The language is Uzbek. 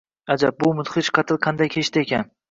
Ajab, bu mudhish qatl qanday kechdi ekan?